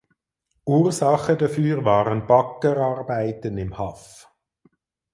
Ursache dafür waren Baggerarbeiten im Haff.